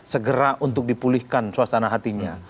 segera untuk dipulihkan suasana hatinya